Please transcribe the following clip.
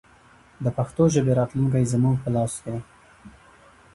د پښتو ژبې راتلونکی زموږ په لاس کې دی.